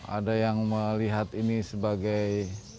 ada yang melihat ini sebagai